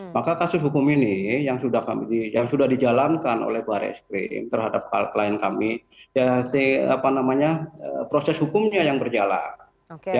maka kasus hukum ini yang sudah dijalankan oleh baris krim terhadap klien kami ya proses hukumnya yang berjalan